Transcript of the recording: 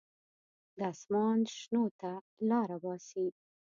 د اسمان شنو ته لاره باسي.